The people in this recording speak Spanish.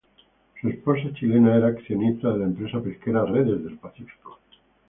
Su esposa chilena era accionista de la empresa pesquera Redes del Pacífico.